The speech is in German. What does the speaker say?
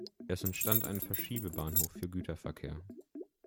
Es entstand ein Verschiebebahnhof für Güterverkehr.